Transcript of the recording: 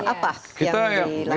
apa yang dilakukan